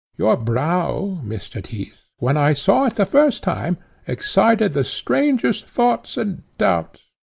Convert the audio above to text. Your brow, Mr. Tyss, when I saw it the first time, excited the strangest thoughts and doubts.